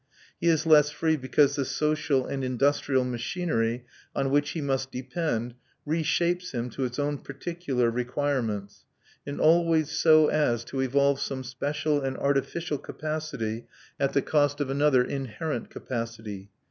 He is less free because the social and industrial machinery on which he must depend reshapes him to its own particular requirements, and always so as to evolve some special and artificial capacity at the cost of other inherent capacity.